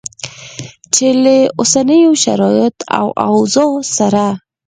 چې له اوسنیو شرایطو او اوضاع سره